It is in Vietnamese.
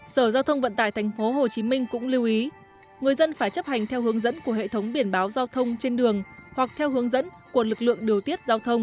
sở giao thông vận tải tp hcm cũng lưu ý người dân phải chấp hành theo hướng dẫn của hệ thống biển báo giao thông trên đường hoặc theo hướng dẫn của lực lượng điều tiết giao thông